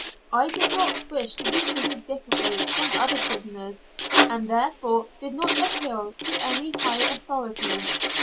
I did not wish to be treated differently from other prisoners, and therefore did not appeal to any higher authority.